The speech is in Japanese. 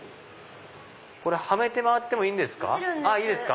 これはめて回ってもいいですか？